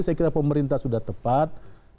saya kira pemerintah sudah tepat